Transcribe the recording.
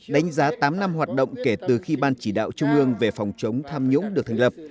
đánh giá tám năm hoạt động kể từ khi ban chỉ đạo trung ương về phòng chống tham nhũng được thành lập